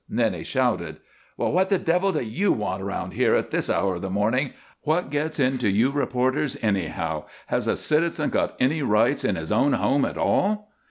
Then he shouted: "Well, what the devil do you want around here at this hour of the morning? What gets into you reporters, anyhow? Has a citizen got any rights in his own home at all?"